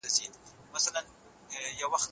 د اسلامي نهضت پیروان هم له لازمې روزنې تېر نه سول.